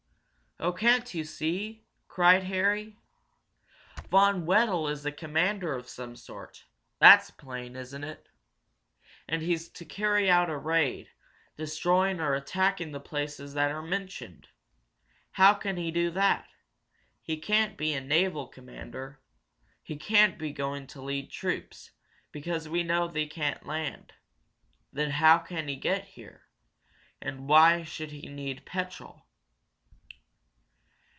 "Oh, can't you see?" cried Harry. "Von Wedel is a commander of some sort that's plain, isn't it? And he's to carry out a raid, destroying or attacking the places that are mentioned! How can he do that? He can't be a naval commander. He can't be going to lead troops, because we know they can't land. Then how can he get here? And why should he need petrol?"